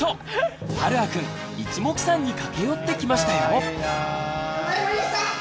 はるあくんいちもくさんに駆け寄ってきましたよ。